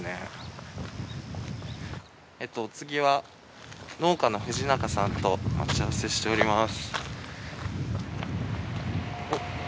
次は農家の藤中さんと待ち合わせしております。